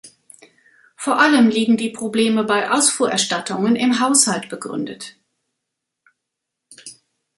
Vor allem liegen die Probleme bei Ausfuhrerstattungen im Haushalt begründet.